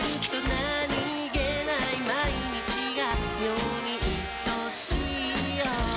何気ない毎日が妙にいとしいよ